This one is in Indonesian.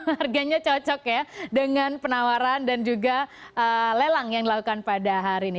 harganya cocok ya dengan penawaran dan juga lelang yang dilakukan pada hari ini